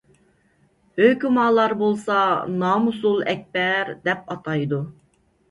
ھۆكۈمالار بولسا نامۇسۇل ئەكبەر دەپ ئاتايدۇ.